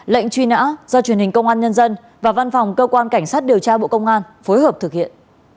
lệnh truy nã do truyền hình công an nhân dân và văn phòng cơ quan cảnh sát điều tra bộ công an phối hợp thực hiện